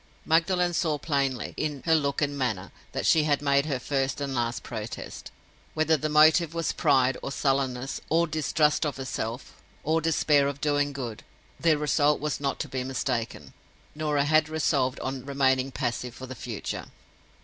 Magdalen saw plainly, in her look and manner, that she had made her first and last protest. Whether the motive was pride, or sullenness, or distrust of herself, or despair of doing good, the result was not to be mistaken—Norah had resolved on remaining passive for the future.